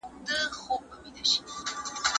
هغه د فرانسې شمېرې راټولې کړې.